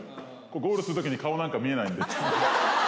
ゴールするときに、顔なんか見えないんで。